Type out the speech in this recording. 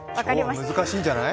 今日は難しいんじゃない？